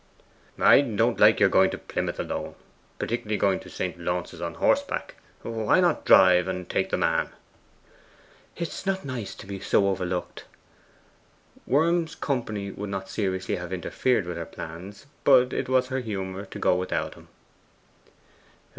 'I don't like your going to Plymouth alone, particularly going to St. Launce's on horseback. Why not drive, and take the man?' 'It is not nice to be so overlooked.' Worm's company would not seriously have interfered with her plans, but it was her humour to go without him.